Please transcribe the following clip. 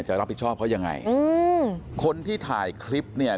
จะรับผิดชอบเขายังไงอืมคนที่ถ่ายคลิปเนี่ย